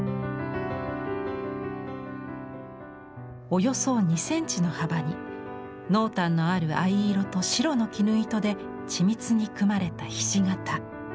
およそ２センチの幅に濃淡のある藍色と白の絹糸で緻密に組まれたひし形。